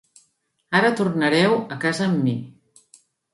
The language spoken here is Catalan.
Ara, tornareu a casa amb mi.